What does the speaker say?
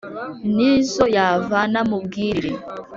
n’izo yavana mu bwiriri